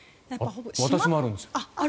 私もあるんですよ。